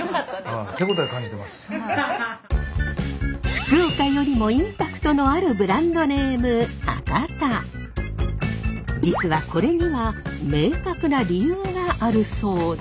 福岡よりもインパクトのある実はこれには明確な理由があるそうで。